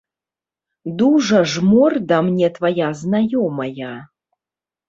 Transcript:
Дужа ж морда мне твая знаёмая!